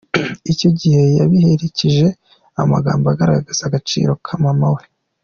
Icyo gihe yayiherekesheje amagambo agaragaza agaciro ka mama we.